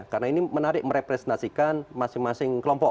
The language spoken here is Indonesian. karena ini menarik merepresentasikan masing masing kelompok